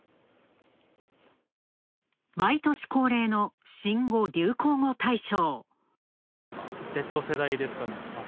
毎年恒例の新語・流行語大賞。